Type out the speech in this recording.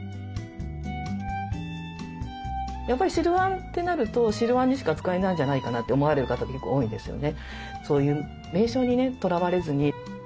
やっぱり汁わんってなると汁わんにしか使えないんじゃないかなって思われる方が結構多いんですよね。